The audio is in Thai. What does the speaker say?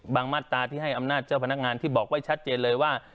มาตราที่ให้อำนาจเจ้าพนักงานที่บอกไว้ชัดเจนเลยว่า